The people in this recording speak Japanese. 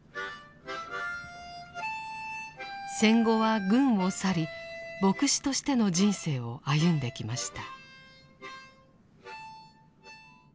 戦後は軍を去り牧師としての人生を歩んできました。